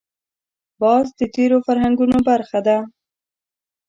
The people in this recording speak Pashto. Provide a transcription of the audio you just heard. باز د تېرو فرهنګونو برخه ده